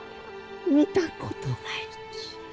見たことないき。